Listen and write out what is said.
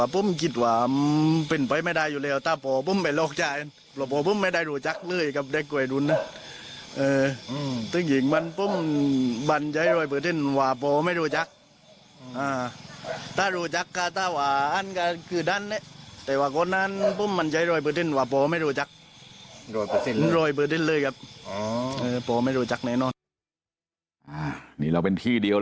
ผมไม่รู้จักผมไม่รู้จักในนั้น